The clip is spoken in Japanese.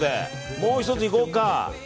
もう１ついこうか。